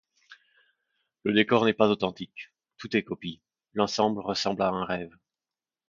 Le décor n’est pas authentique, tout est copie, l’ensemble ressemble à un rêve.